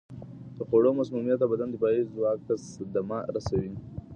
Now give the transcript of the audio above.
د خوړو مسمومیت د بدن دفاعي ځواک ته صدمه رسوي.